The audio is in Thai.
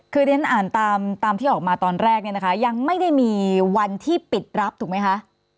คือเรียนอ่านตามที่ออกมาตอนแรกเนี่ยนะคะยังไม่ได้มีวันที่ปิดรับถูกไหมคะ